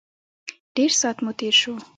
ډېر سات مو تېر شو.